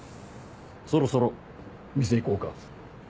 そろそろ店行こうか。